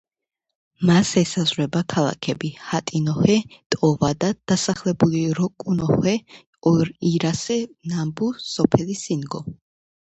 მას ესაზღვრება ქალაქები ჰატინოჰე, ტოვადა, დასახლებები როკუნოჰე, ოირასე, ნამბუ, სოფელი სინგო.